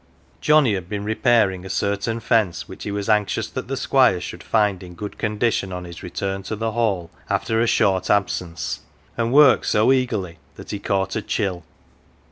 Johnnie had been repair ing a certain fence, which he was anxious that the Squire should find in good condition on his return to the Hall after a short absence, and worked so eagerly that he caught a chill.